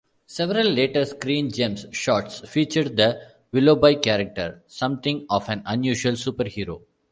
Several later Screen Gems shorts featured the Willoughby character, something of an unusual superhero.